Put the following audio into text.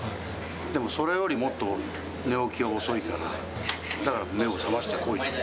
でもそれよりもっと寝起きが遅いからだから、目を覚ましてこいと。